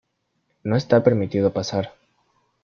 No está permitido pasar.